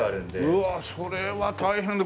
うわあそれは大変だ。